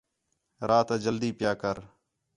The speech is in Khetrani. رات آ جلدی پیا کر